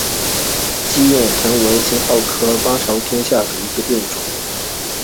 鸡眼藤为茜草科巴戟天属下的一个种。